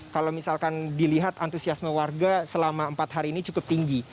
kalau misalkan dilihat antusiasme warga selama empat hari ini cukup tinggi